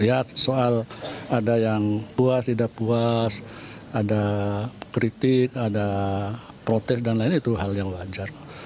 ya soal ada yang puas tidak puas ada kritik ada protes dan lain itu hal yang wajar